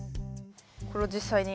これを実際に。